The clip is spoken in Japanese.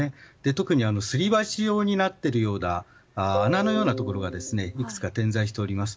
特にすり鉢状になっているような穴のようなところがいくつか点在しております。